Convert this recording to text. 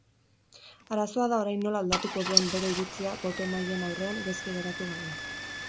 Arazoa da orain nola aldatuko duen bere iritzia boto-emaileen aurrean gaizki geratu gabe.